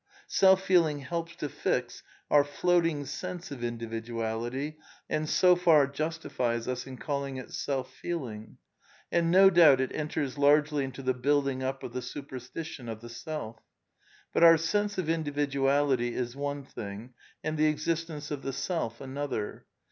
Self feeling helps to fix our floating sense of in dividuality, and so far justifies us in calling it self f eeling ; and no doubt it enters largely into the building up of the superstition of the self. But our sense of individuality is—V \ one thing and the existence of the self another.